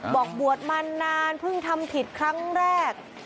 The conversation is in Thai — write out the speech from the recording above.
บอกบวชมานานเพิ่งทำผิดครั้งแรก